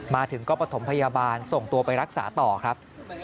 มาถึงก็ประถมพยาบาลส่งตัวไปรักษาต่อครับ